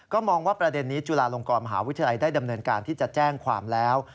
มองว่าประเด็นนี้จุฬาลงกรมหาวิทยาลัยได้ดำเนินการที่จะแจ้งความแล้ว